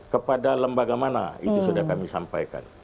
kepada lembaga mana itu sudah kami sampaikan